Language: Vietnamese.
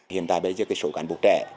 hiện tại bây giờ cái số cán bộ trẻ